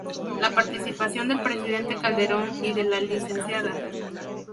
La participación del Presidente Calderón y de la Lic.